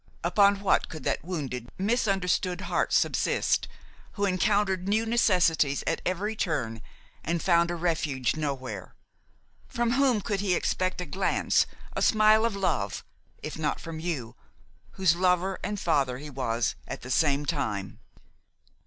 Upon what could that wounded, misunderstood heart subsist, who encountered new necessities at every turn and found a refuge nowhere? from whom could he expect a glance, a smile of love, if not from you, whose lover and father he was at the same time?